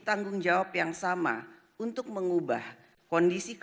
tanggung jawab yang berharga dan berhasil untuk mengembangkan kemampuan dan kemampuan yang berharga